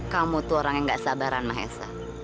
kamu tuh orang yang gak sabaran mahesa